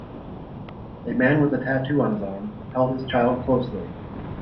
A man with a tattoo on his arm, held his child closely.